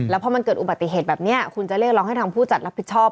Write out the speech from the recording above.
แล้วพอมันเกิดอุบัติเหตุแบบนี้คุณจะเรียกร้องให้ทางผู้จัดรับผิดชอบ